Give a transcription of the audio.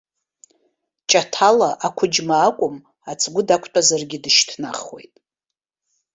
Ҷаҭала ақәыџьма акәым, ацгәы дақәтәазаргьы дышьҭнахуеит.